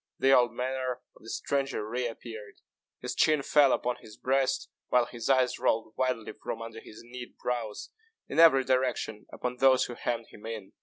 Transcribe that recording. The old manner of the stranger re appeared. His chin fell upon his breast, while his eyes rolled wildly from under his knit brows, in every direction, upon those who hemmed him in.